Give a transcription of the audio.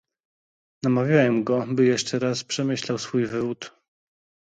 Namawiałem go, by jeszcze raz przemyślał swój wywód